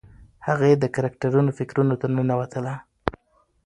هغې د کرکټرونو فکرونو ته ننوتله.